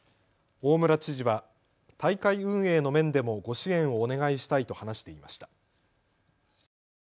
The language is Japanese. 大村知事は大会運営の面でもご支援をお願いしたいと話していました。